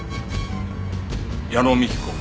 矢野幹子。